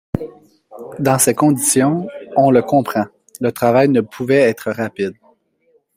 Dans ces conditions, on le comprend, le travail ne pouvait être rapide.